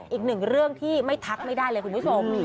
อีกหนึ่งเรื่องที่ไม่ทักไม่ได้เลยคุณผู้ชม